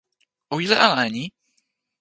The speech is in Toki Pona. o wile ala e ni!